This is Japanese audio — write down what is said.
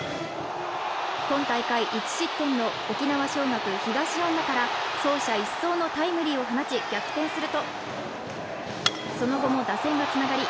今大会１失点の沖縄尚学・東恩納から走者一掃のタイムリーを放ち、逆転するとその後も打線がつながり